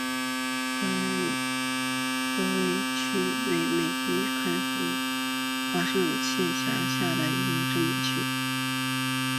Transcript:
普莱恩维尤镇区为美国堪萨斯州菲利普斯县辖下的镇区。